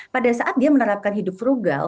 pada saat dia menerapkan hidup frugal